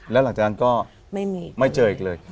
แล้วหลังจากนั้นก็ไม่เจออีกเลยไม่มีอีกเลย